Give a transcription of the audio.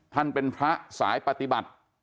ท่านเป็นพระสายปฏิบัติ